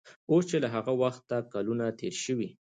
اوس چې له هغه وخته کلونه تېر شوي